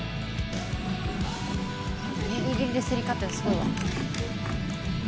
ギリギリで競り勝ってるのすごいわ。